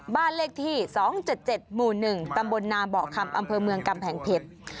บ้านเลขที่๒๗๗หมู่๑ตำบลนาเบาะคำอำเภอเมืองกำแพงเพชร